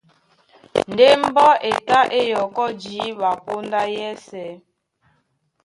Ndé mbɔ́ e tá é yɔkɔ́ jǐɓa póndá yɛ́sɛ̄.